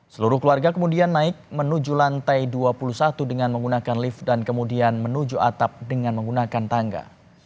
seluruh keluarga kemudian naik menuju lantai dua puluh satu dengan menggunakan lift dan kemudian menuju atap dengan menggunakan tangga